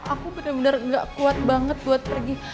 aku benar benar gak kuat banget buat pergi